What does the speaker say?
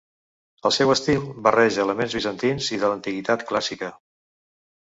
El seu estil barreja elements bizantins i de l'Antiguitat clàssica.